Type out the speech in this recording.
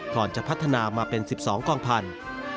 ก่อนจะพัฒนามาเป็น๑๒กองพันธุ์